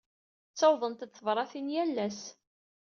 Ttawḍent-d tebṛatin yal ass.